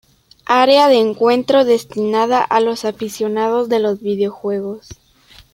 Área de encuentro destinada a los aficionados de los videojuegos.